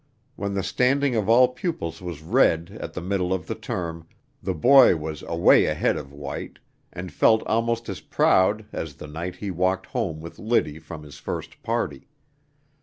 When the standing of all pupils was read at the middle of the term, the boy was away ahead of White, and felt almost as proud as the night he walked home with Liddy from his first party.